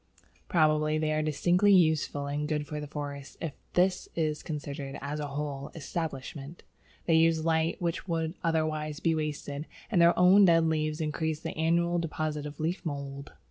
Probably they are distinctly useful and good for the forest if this is considered as a whole establishment. They use light which would otherwise be wasted, and their own dead leaves increase the annual deposit of leaf mould.